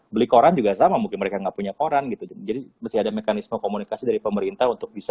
beli koran juga sama mungkin mereka nggak punya koran gitu jadi masih ada mekanisme komunikasi dari pemerintah untuk bisa